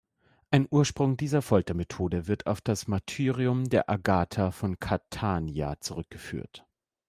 Ein Ursprung dieser Foltermethode wird auf das Martyrium der Agatha von Catania zurückgeführt.